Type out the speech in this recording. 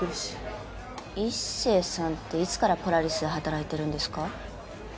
一星さんっていつからポラリスで働いてるんですか？